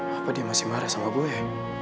apa dia masih marah sama gue